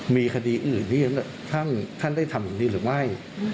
มีคดีอื่นที่ท่านได้ทำอย่างนี้หรือไม่